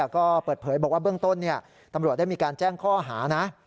ก็เปิดเผยบอกว่าเบื้องต้นตำรวจได้มีการแจ้งข้อหานะ